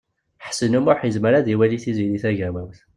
Ḥsen U Muḥ yezmer ad iwali Tiziri Tagawawt.